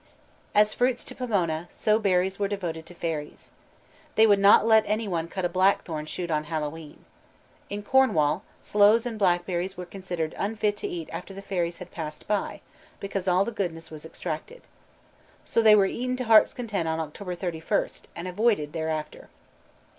_ As fruit to Pomona, so berries were devoted to fairies. They would not let any one cut a blackthorn shoot on Hallowe'en. In Cornwall sloes and blackberries were considered unfit to eat after the fairies had passed by, because all the goodness was extracted. So they were eaten to heart's content on October 31st, and avoided thereafter.